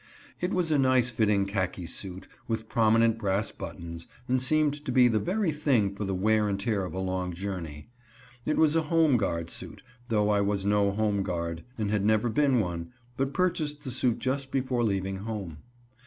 It was a nice fitting khaki suit, with prominent brass buttons, and seemed to be the very thing for the wear and tear of a long journey. It was a homeguard suit, though I was no homeguard, and had never been one, but purchased the suit just before leaving home.